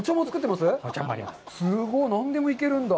すごい。何でもいけるんだ。